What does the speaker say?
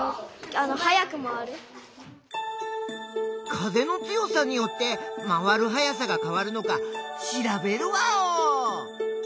風の強さによって回るはやさがかわるのかしらべるワオー！